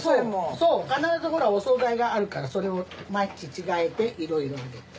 そう必ずほらお総菜があるからそれを毎日違えていろいろ入れて。